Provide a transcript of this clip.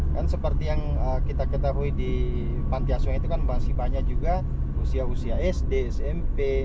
kan seperti yang kita ketahui di panti asuhan itu kan masih banyak juga usia usia sd smp